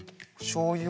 しょうゆ？